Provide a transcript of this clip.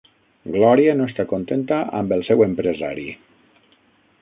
Glòria no està contenta amb el seu empresari.